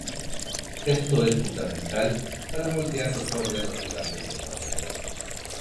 Esto es fundamental para moldear los órganos durante el desarrollo.